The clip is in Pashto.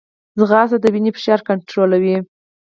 ځغاسته د وینې فشار کنټرولوي